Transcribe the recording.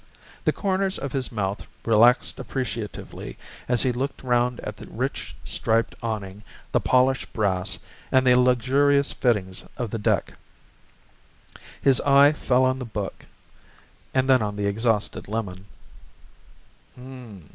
The corners of his mouth relaxed appreciatively as he looked round at the rich striped awning, the polished brass, and the luxurious fittings of the deck. His eye felt on the book, and then on the exhausted lemon.